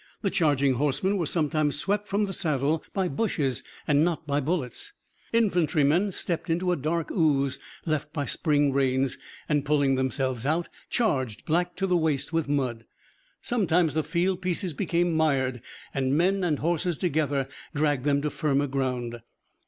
The charging horsemen were sometimes swept from the saddle by bushes and not by bullets. Infantrymen stepped into a dark ooze left by spring rains, and pulling themselves out, charged, black to the waist with mud. Sometimes the field pieces became mired, and men and horses together dragged them to firmer ground.